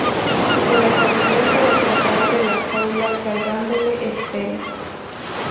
Se las arregló para escapar de la jaula, salvándole el pelo.